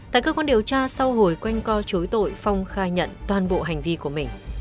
tại cơ quan điều tra sau hồi quanh co chối tội phong khai nhận toàn bộ hành vi của mình